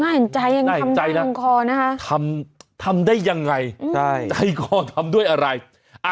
น่าเห็นใจน่าเห็นใจนะทำได้ยังไงใช่ให้คอทำด้วยอะไรอ่ะ